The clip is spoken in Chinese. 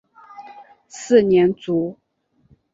四年卒。